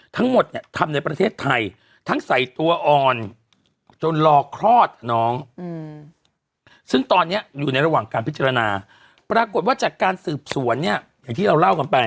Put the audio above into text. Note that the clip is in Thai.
แต่เกาะเนี้ยมันก็ยังอยู่กับเราเป็นเหล็กอ๋อโอเคอ่ายังไง